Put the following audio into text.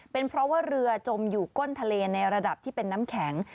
เป็นเพราะว่าเรือจมอยู่ก้นทะเลในระดับที่เป็นน้ำแข็ง